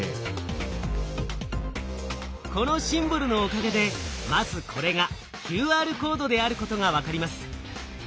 このシンボルのおかげでまずこれがＱＲコードであることが分かります。